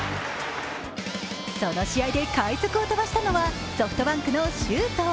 その試合で快足を飛ばしたのはソフトバンクの周東。